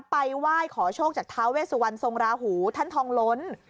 ไปว่ายขอโชคจากทาเวศวันทรงราหูท่านทองล้น